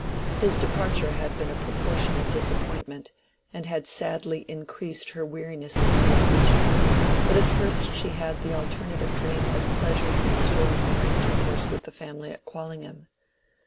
His departure had been a proportionate disappointment, and had sadly increased her weariness of Middlemarch; but at first she had the alternative dream of pleasures in store from her intercourse with the family at Quallingham.